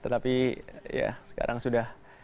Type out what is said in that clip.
tetapi ya sekarang sudah